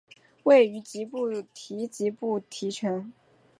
位于吉布提吉布提城。